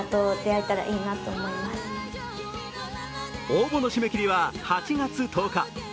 応募の締め切りは８月１０日。